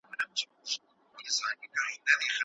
پر خاوند دا حق لري، چي حقوق ئې بيرته ورکړي.